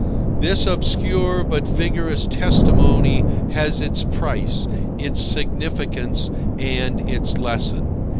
This obscure but vigorous testimony has its price, its significance, and its lesson.